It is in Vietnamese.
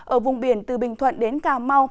ở vùng biển từ bình thuận đến cà mau